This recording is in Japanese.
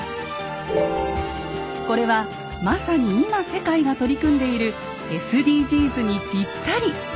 これはまさに今世界が取り組んでいるＳＤＧｓにぴったり。